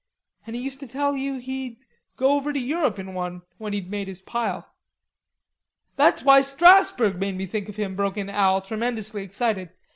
And he used to tell you he'd go over to Europe in one, when he'd made his pile." "That's why Strasburg made me think of him," broke in Al, tremendously excited.